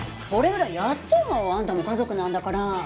これぐらいやってよ。あんたも家族なんだから。